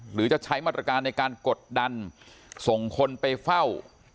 หรือจะใช้มาตรการในการกดดันส่งคนไปเฝ้า